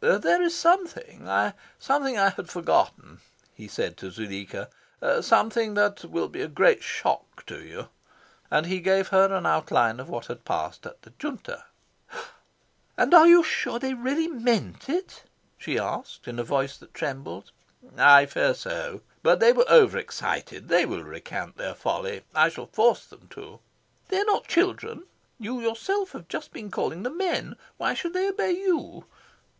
"There is something something I had forgotten," he said to Zuleika, "something that will be a great shock to you"; and he gave her an outline of what had passed at the Junta. "And you are sure they really MEANT it?" she asked in a voice that trembled. "I fear so. But they were over excited. They will recant their folly. I shall force them to." "They are not children. You yourself have just been calling them 'men.' Why should they obey you?"